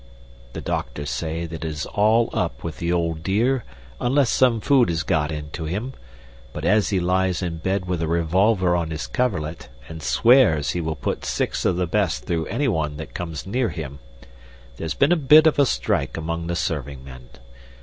The doctors say that it is all up with the old dear unless some food is got into him, but as he lies in bed with a revolver on his coverlet, and swears he will put six of the best through anyone that comes near him, there's been a bit of a strike among the serving men.